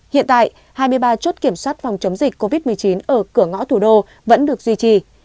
hiện tại hai mươi ba chốt kiểm soát phòng chống dịch covid một mươi chín ở cửa ngõ thủ đô vẫn được duy trì